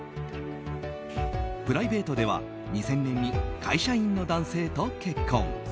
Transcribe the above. プライベートでは、２０００年に会社員の男性と結婚。